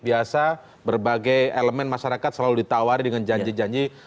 biasa berbagai elemen masyarakat selalu ditawari dengan janji janji